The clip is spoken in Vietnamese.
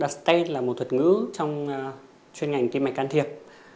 đặt stent là một thuật ngữ trong chuyên ngành tiêm mạch can thiệp